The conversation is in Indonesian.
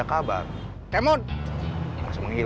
aku kerasa dah habis pagi